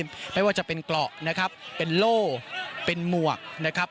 ไม่ว่าจะเป็นเกราะนะครับเป็นโล่เป็นหมวกนะครับ